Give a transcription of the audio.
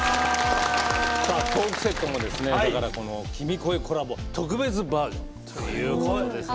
さあトークセットもですねだからこの「君声」コラボ特別バージョンということですね。